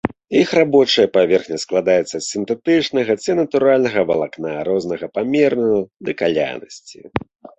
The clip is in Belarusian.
Іх рабочая паверхня складаецца з сінтэтычнага ці натуральнага валакна рознага памеру і калянасці.